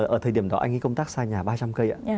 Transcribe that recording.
ở thời điểm đó anh ấy công tác xa nhà ba trăm linh km ạ